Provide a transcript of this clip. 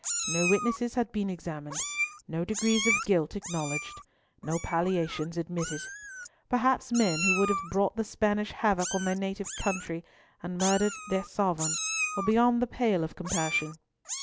No witnesses had been examined, no degrees of guilt acknowledged, no palliations admitted. Perhaps men who would have brought the Spanish havoc on their native country, and have murdered their sovereign, were beyond the pale of compassion.